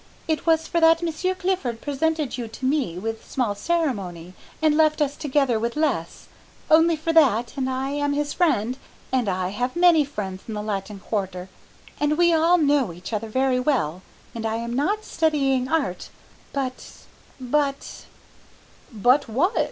It was for that Monsieur Clifford presented you to me with small ceremony, and left us together with less, only for that, and I am his friend, and I have many friends in the Latin Quarter, and we all know each other very well and I am not studying art, but but " "But what?"